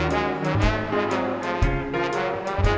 ไลนกดลบ